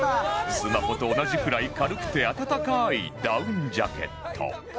スマホと同じくらい軽くて暖かいダウンジャケット